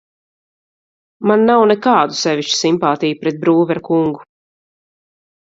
Man nav nekādu sevišķu simpātiju pret Brūvera kungu.